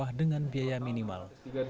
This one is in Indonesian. yang mewah dengan biaya minimal